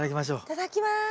いただきます。